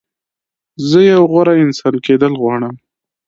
زه یو غوره انسان کېدل غواړم.